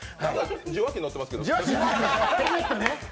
受話器乗ってますけど？